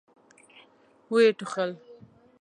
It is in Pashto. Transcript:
ويې ټوخل.